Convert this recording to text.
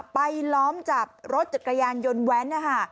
ล้อมจับรถจักรยานยนต์แว้นนะคะ